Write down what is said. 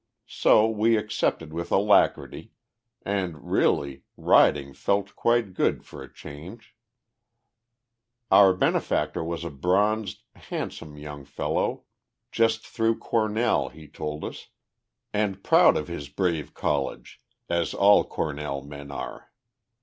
So we accepted with alacrity, and, really, riding felt quite good for a change! Our benefactor was a bronzed, handsome young fellow, just through Cornell, he told us, and proud of his brave college, as all Cornell men are.